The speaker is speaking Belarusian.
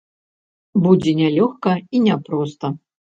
Будзе нялёгка і няпроста.